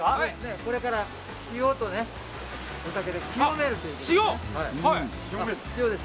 これから塩とお酒で清めます。